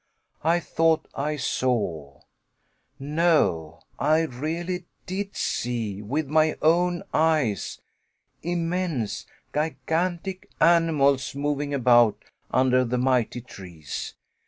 I thought I saw no, I really did see with my own eyes immense, gigantic animals moving about under the mighty trees.